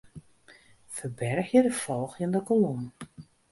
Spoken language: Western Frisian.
Ferbergje de folgjende kolom.